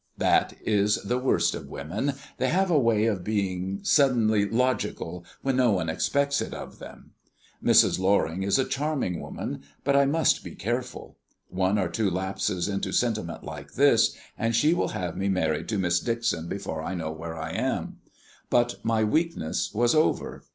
That is the worst of women they have a way of being suddenly logical when no one expects it of them. Mrs. Loring is a charming woman, but I must be careful. One or two lapses into sentiment like this, and she will have me married to Miss Dixon before I know where I am. But my weakness was over.